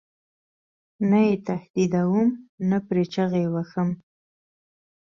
نه یې تهدیدوم نه پرې چغې وهم.